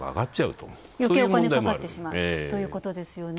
よけいにお金がかかってしまうということですよね。